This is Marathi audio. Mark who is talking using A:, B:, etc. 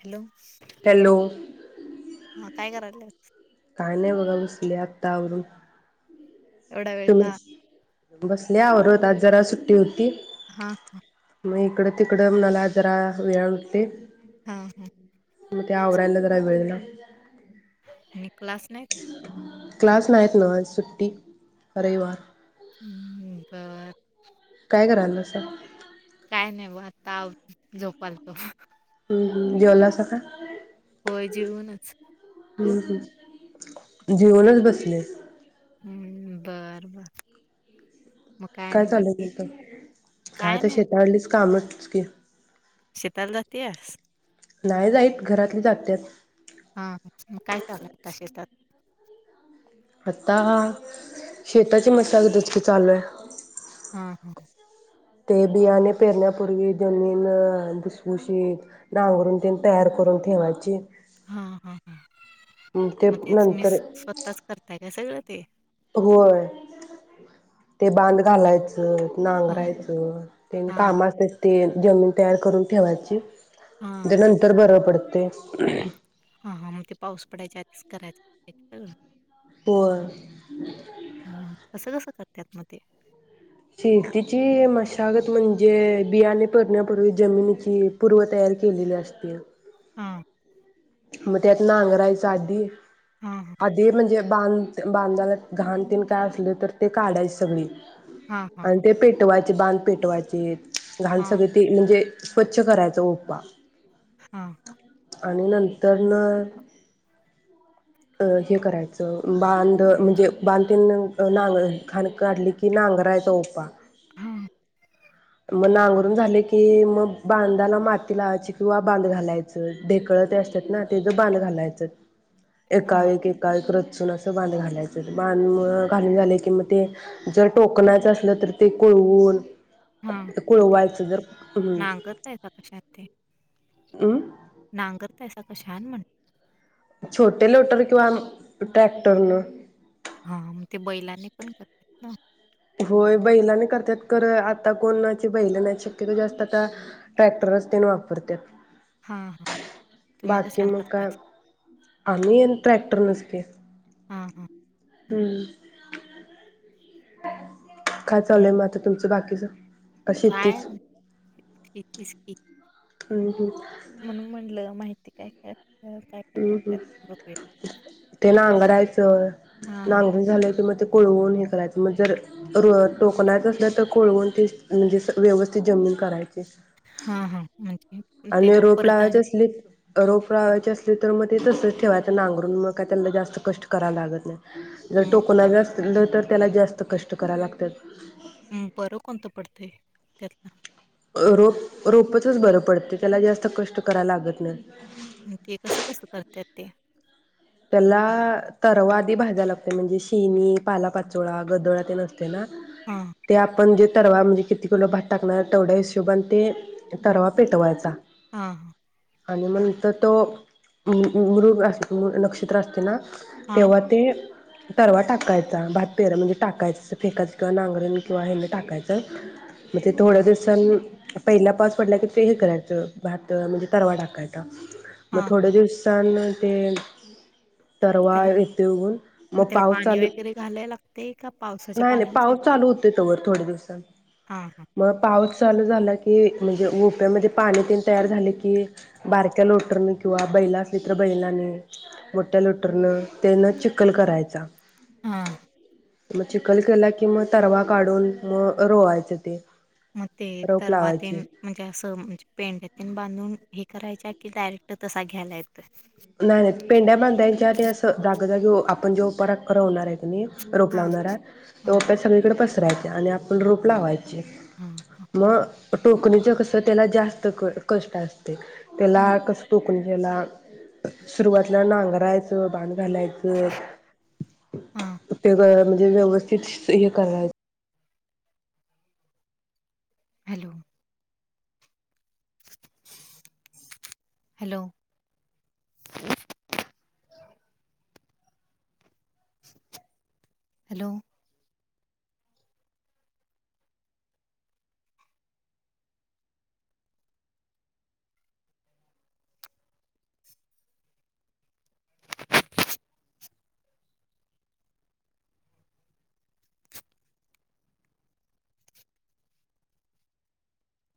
A: [inaudible] हॅलो
B: हॅलो
A: काय करायलीस?
B: काय नाही बघा बसले आत्तावरून
A: एवढा वेळ का?
B: बसले आवरत आज जरा सुट्टी होती.
A: हा
B: मग इकडं तिकडं मला जरा वेळा होते.
A: हा हा.
B: ते आवरायला जरा वेळ लागतो तुझ्या [unintelligible]
A: [inaudible] नी क्लास नाही का?
B: क्लास नाहीत ना, आज सुट्टी रविवार.
A: हम्म बरं
B: काय करायलास?
A: काय नाही? बघ आत्ता आवरून झोपालतो.
B: हम्म हम्म जेवलास का? [unintelligible]
A: होय जेऊनच तू
B: हम्म हम्म [unintelligible] जेऊनच बसले
A: हम् बर बर मग
B: काय
A: आणि बाकी
B: चालयं तुमच काय ते शेतावरलीच कामं. स्किल
A: शेताला जातीयास?
B: नाही जाईत घरातली जात्यात
A: हा हा. [unintelligible] आता शेतात
B: आता शेताची मशागत चालू हाय.
A: हा
B: ते बियाणे पेरण्यापूर्वी जमीन भुसभुशी नांगरून तेन तयार करून ठेवायची.
A: हा हा हा
B: ते
A: मग तेच मी
B: नंतर
A: स्वतःच करतेय हे सगळं ते
B: होय ते बांध घालायचं
A: हा
B: नांगरायचं तेंन
A: हा
B: कामा असत्यात ते जमीन तयार करून ठेवायची.
A: हा
B: म्हणजे नंतर बर पडत तेच
A: हा हा मग ते पाऊस पडायच्या आधी करायचं.
B: होय
A: हम् कसं कसं करत्यात म ते
B: शेतीची मशागत म्हणजे बियाणे पेरण्यापूर्वी जमिनीची पूर्व तयारी केलेली असते.
A: हा
B: मग त्यात नांगरायच आधी
A: हा हा
B: अधि म्हणजे - - बांध बांधाला घाण तेण काय असले तर ते काढायच सगळी
A: हा हा
B: आणि ते पेटवाय ते बांध पेटवायचेत लहान
A: हा
B: सगळी ती म्हणजे स्वच्छ करायचा ओपा
A: हा
B: आणि नंत तर न अ हे करायचं बांध म्हणजे बांध नांग खाण काढली की नांगरायचा पा
A: हां,
B: मग नांगरून झाल की मग बांधाला माती लावायची किंवा बांध घालायचं ढेकळं ते असतात ना तेज बांध घालायचं
A: हां,
B: एकावर एक एकावरव एक रच असं बांध घालायचं बांध घालून झाले कि म ते जर टोकणाचं असलं तर ते कोळवून
A: हा ते नांगरता का कशात ते
B: हम्म
A: नांगरत्यासा कसा छान म्हण
B: छोटे लोटर किंवा ट्रॅक्टरन
A: हा मग ते बैलांनी पण करत्यात ना
B: होय बैलानी करत्यात कर आता कोणाची बैल नाहीत शक्यतो जास्त आता ट्रॅक्टरच त्येंन वापरत्या
A: हां, हां. तुम्ही
B: बाकी
A: कशानं
B: मंग काय
A: करतायसा?
B: आमही ट्रॅक्टर पटर्न स्पेस [unintelligible]
A: हा हा हम्
B: [inaudible] काय चालू हाय मग आता तुमच बाकी तुझ
A: काय कितीच क
B: ह ह
A: म्हणून म्हणलं माहिती काय काय काय काय
B: ह ह
A: करतात बघूया.
B: ते ना अंगरायच
A: हां, हां.
B: नांगरी झाले कि मग ते कोळवून हे करायचं मग जर र टोकनायचं असलं तर कोळवून तेच म्हणजे स व्यवस्थित जमीन करायचे
A: हा हा
B: आणि रोप लावायचे असली रोप लावायची असली तर मग ते तसच ठेवायच नांगरून मग का त्याला जास्त कष्ट करावे लागत नाही जर
A: मग
B: टोकण असतील तर तर त्याला जास्त कष्ट कराव लागतात
A: ते त्यात ना
B: रोप रोपचच बरं पडते त्याला जास्त कष्ट करायला लागत नाही
A: ते कसं कसं करत्यात ते
B: त्याला तर व आधी भाजावं लागतं शनि पालापाचोळा गदळातील ना
A: हां,
B: ते आपण जे तरवा म्ह तेे किती किलो भात टाकणार तेवढ्या हिशोबान ते तरवा पेटवायचा
A: हा ह
B: आणि मंत तो मृग अस नक्ष चित्र असते ना
A: हां,
B: तेव्हा ते तरवा टाकायचा भात पेर म्हणजे टाकायचं फेकायचं किंवा नांगरेण किंवा हे टाकायचं मजे
A: हां,
B: थोड्या दिव सांन पहिला पाऊस पडला की ते हे करायचं भात म्हणजे तरवा टाकायचा मग
A: हां.
B: थोडे्या दिवसान ते तरवा
A: त्याला
B: येथे उगवून मग
A: त्याला
B: पावस
A: पाणी
B: चाल
A: वगैरे घालायला लागतंय का पावसाच्या
B: नाही नाही
A: पाण्यावर ते
B: पाऊस चालू होत तवर थोडे्या दिवसात
A: हां, हां.
B: मग पाऊस चालू झाला क की म्हणजे ओप्यामध्ये पाणी तेन तयार झाले की बारक्या लोटरनं किंवा बैला असली तर बैलानी मोठ्या लोटरनं तेनं चिखल करायचा.
A: ह
B: मग चिखल केला की मग तरवा काढून मग रोवायचं ते
A: मग ते
B: रोप
A: तरवातीन
B: लावायचे
A: म्हणजे असं म्हणजे पेंड्यातील बांधून हे करायच्या की डायरेक्ट तसा घ्यायलायेत
B: नाही नाही पेंढ्या बांधायच्या अस जाागजागे आपण जे पराग करा होणार आहे का रोप
A: हां.
B: लावणार आहे
A: हां,
B: रोप सगळीकडे राय आणि आपण रोप लावायच
A: हां, हां,
B: म टोकणीचं कसं त्याला जास्त क कष्ट असता त. त्याला
A: हां,
B: कस तू [inaudible] सुरुवातला नांगरायच [unintelligible] घालायचं
A: हां.
B: [unintelligible] जे व्यवस्थित हे करायचं.
A: Hello hello hello